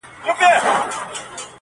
o بحثونه بيا تازه کيږي ناڅاپه ډېر,